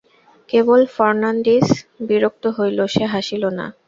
কেবল Fernandez বিরক্ত হইল, সে হাসিল না।